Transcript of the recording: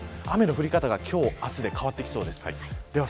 雨の降り方が今日、明日で変わってきそうです。